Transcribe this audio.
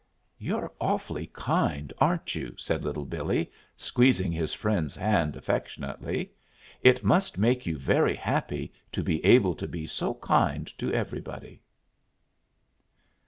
"You're awful kind, aren't you?" said Little Billee, squeezing his friend's hand affectionately. "It must make you very happy to be able to be so kind to everybody!"